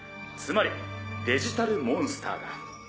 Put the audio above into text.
つまりデジタルモンスターだ。